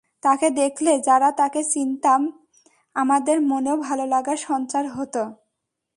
তাকে দেখলে, যারা তাকে চিনিতাম, আমাদের মনেও ভালোলাগার সঞ্চার হতো।